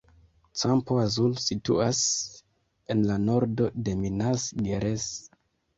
Campo Azul situas en la nordo de Minas Gerais.